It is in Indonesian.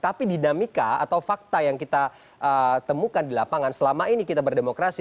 tapi dinamika atau fakta yang kita temukan di lapangan selama ini kita berdemokrasi